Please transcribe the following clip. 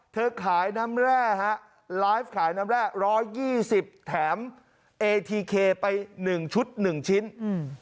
เธอขายน้ำแร่ฮะไลฟ์ขายน้ำแร่ร้อยยี่สิบแถมเอทีเคไปหนึ่งชุดหนึ่งชิ้นอืม